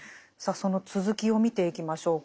その続きを見ていきましょうか。